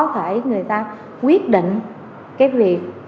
để người ta có thể quyết định việc